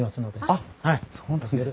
あっそうなんですね。